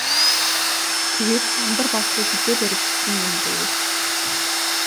Тэгээд Дандар баатрыг хэзээ баривчилсан юм бэ?